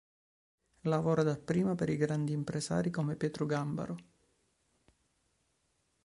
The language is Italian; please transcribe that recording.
Lavora dapprima per i grandi impresari come Pietro Gambaro.